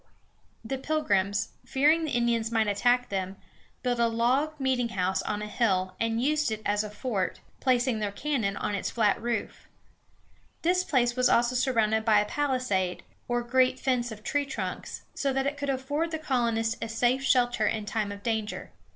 The Pilgrims, fearing the Indians might attack them, built a log meetinghouse on a hill, and used it as a fort, placing their cannon on its flat roof. This place was also surrounded by a palisade, or great fence of tree trunks, so that it could afford the colonists a safe shelter in time of danger.